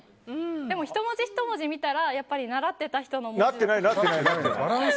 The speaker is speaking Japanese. でもひと文字ひと文字見たらやっぱり習ってた人の。